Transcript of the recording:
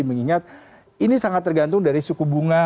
mengingat ini sangat tergantung dari suku bunga